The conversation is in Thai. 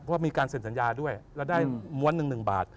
เพราะว่ามีการเสนสัญญาด้วยแล้วได้หมวน๑บาท